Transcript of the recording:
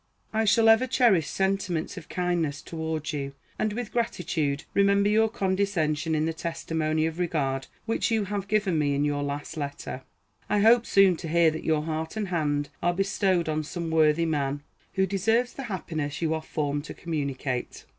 I shall ever cherish sentiments of kindness towards you, and with gratitude remember your condescension in the testimony of regard which you have given me in your last letter. I hope soon to hear that your heart and hand are bestowed on some worthy man, who deserves the happiness you are formed to communicate.